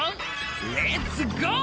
「レッツゴー！」